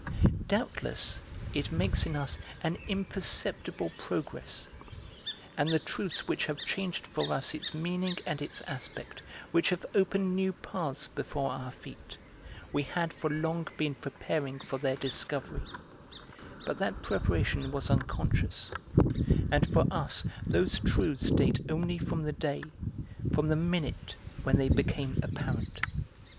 Doubtless it makes in us an imperceptible progress, and the truths which have changed for us its meaning and its aspect, which have opened new paths before our feet, we had for long been preparing for their discovery; but that preparation was unconscious; and for us those truths date only from the day, from the minute when they became apparent.